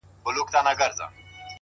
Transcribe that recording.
• چي ور ياده د پيشو به يې ځغستا سوه,